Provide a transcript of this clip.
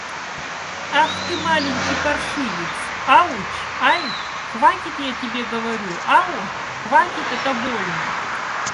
Ах ты, маленький паршивец. Ауч! Ай! Хватит, я тебе говорю! Ау! Хватит, это больно!